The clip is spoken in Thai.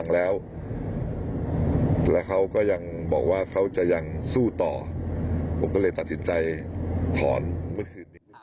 แล้วเขาก็ยังบอกว่าเขาจะยังสู้ต่อผมก็เลยตัดสินใจถอนเมื่อคืนนี้